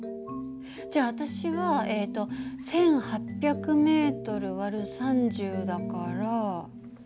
じゃあ私はえっと１，８００ｍ÷３０だから。